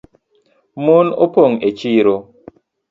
Mon opong’ e chiro